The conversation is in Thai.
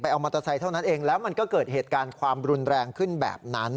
เอามอเตอร์ไซค์เท่านั้นเองแล้วมันก็เกิดเหตุการณ์ความรุนแรงขึ้นแบบนั้น